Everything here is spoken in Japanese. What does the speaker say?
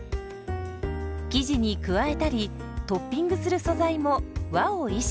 生地に加えたりトッピングする素材も和を意識。